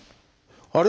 あれ？